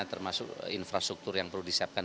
termasuk infrastruktur yang perlu disiapkan